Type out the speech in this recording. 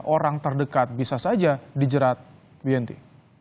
orang terdekat bisa saja dijerat bu yenti